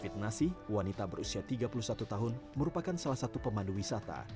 fitnasi wanita berusia tiga puluh satu tahun merupakan salah satu pemandu wisata